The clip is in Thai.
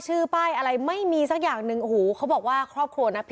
เราทั้งพ่อแม่เรา